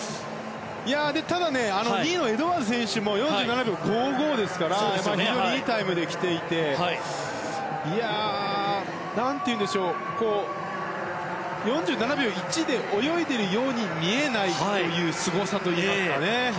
ただ、２位のエドワーズ選手も４７秒５５ですから非常にいいタイムできていますが４７秒１で泳いでいるように見えないというすごさといいますかね。